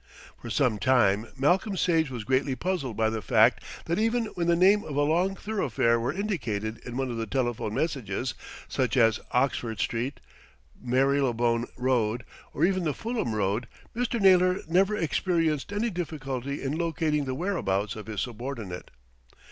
For some time Malcolm Sage was greatly puzzled by the fact that even when the name of a long thoroughfare were indicated in one of the telephone messages, such as Oxford Street, Marylebone Road, or even the Fulham Road, Mr. Naylor never experienced any difficulty in locating the whereabouts of his subordinate.